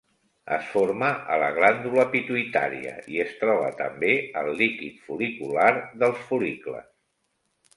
Es forma a la glàndula pituïtària i es troba també al líquid fol·licular dels fol·licles.